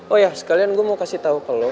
oh ya sekalian gue mau kasih tau ke lo